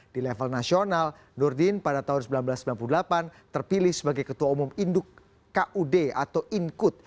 di level nasional nurdin pada tahun seribu sembilan ratus sembilan puluh delapan terpilih sebagai ketua umum induk kud atau inkut